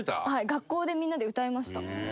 学校でみんなで歌いました。